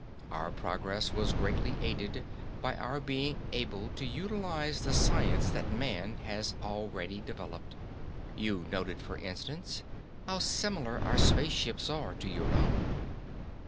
Our progress was greatly aided by our being able to utilize the science that man has already developed. You've noted, for instance, how similar our space ships are to your own.